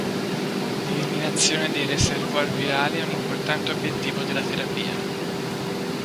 L'eliminazione dei reservoir virali è un importante obiettivo della terapia.